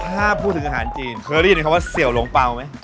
ถ้าพูดถึงอาหารจีนเคยได้ยินคำว่าเสี่ยวหลงเปล่าไหม